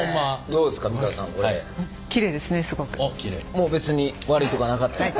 もう別に悪いとこはなかったですか？